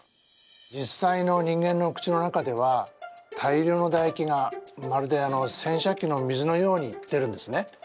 実際の人間の口の中では大量のだ液がまるで洗車機の水のように出るんですね。